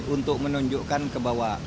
untuk menunjukkan kepada publik